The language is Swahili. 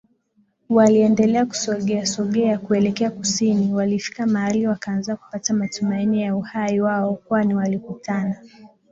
Waliendelea kusogeasogea kuelekea kusini Walifika mahali wakaanza kupata matumaini ya uhai wao kwani walikutana